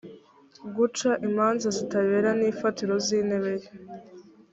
guca imanza zitabera ni imfatiro z’intebe ye